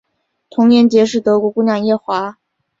同年结识德国姑娘叶华。